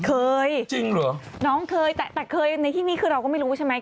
เคยน้องเคยแต่เคยในที่นี่คือเราก็ไม่รู้ใช่ไหม